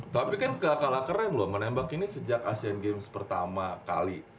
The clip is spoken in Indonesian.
tapi kan gak kalah keren loh menembak ini sejak asean games pertama kali